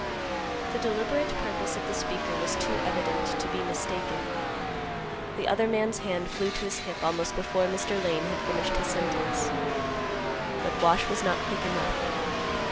The deliberate purpose of the speaker was too evident to be mistaken. The other man's hand flew to his hip almost before Mr. Lane had finished his sentence. But Wash was not quick enough.